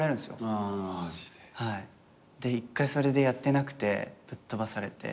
マジで？で一回それでやってなくてぶっ飛ばされて。